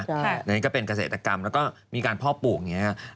เดี๋ยวนี้ก็เป็นเกษตรกรรมแล้วก็มีการพ่อปลูกเนี่ย